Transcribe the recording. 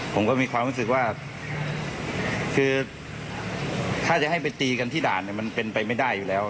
ผมก็มีความรู้สึกว่าคือถ้าจะให้ไปตีกันที่ด่านมันเป็นไปไม่ได้อยู่แล้ว